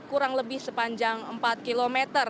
kurang lebih sepanjang empat km